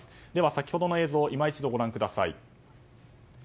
先ほどの映像を今一度、ご覧ください。